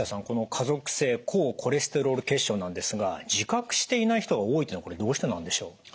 この家族性高コレステロール血症なんですが自覚していない人が多いっていうのはこれどうしてなんでしょう？